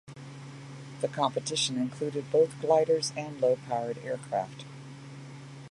The competition included both gliders and low-powered aircraft.